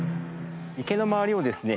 池の周りをですね